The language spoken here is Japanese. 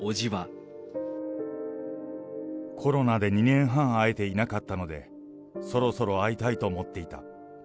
コロナで２年半、会えていなかったので、そろそろ会いたいと思っていた。